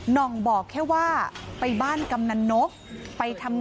ปี๖๕วันเกิดปี๖๔ไปร่วมงานเช่นเดียวกัน